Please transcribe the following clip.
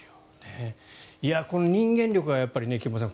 人間力が菊間さん